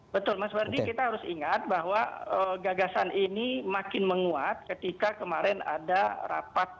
betul mas ferdi kita harus ingat bahwa gagasan ini makin menguat ketika kemarin ada rapat